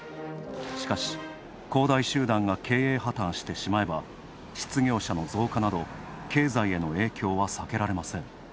しかし、恒大集団が経営破たんしてしまえば、失業者の増加など経済への影響は避けられません。